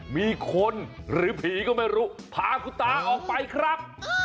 มีคนหรือผีก็ไม่รู้พาคุณตาออกไปครับ